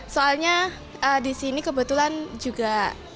soalnya disini kebetulan juga